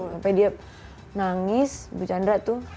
sampai dia nangis bu chandra tuh